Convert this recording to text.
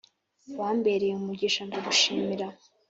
Wambereye umugisha ndagushimira